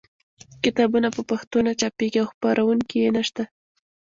کتابونه په پښتو نه چاپېږي او خپرونکي یې نشته.